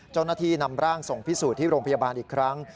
เจ้าหน้าที่นำร่างส่งพิสูจน์ที่โรงพยาบาลอีกครั้ง